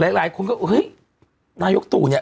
หลายคนก็เฮ้ยนายกตู่เนี่ย